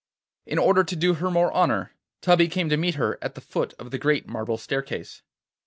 In order to do her more honour, Tubby came to meet her at the foot of the great marble staircase.